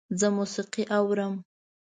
زه موسیقی اورم